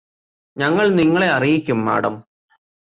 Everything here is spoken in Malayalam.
ഞങ്ങൾ നിങ്ങളെ അറിയിക്കും മാഡം